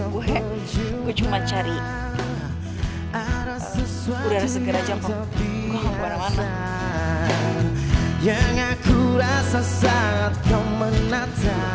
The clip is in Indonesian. gue cuma cari udara segera aja kok ngomong kemana mana